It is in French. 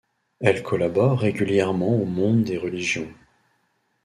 Elle collabore régulièrement au Monde des religions.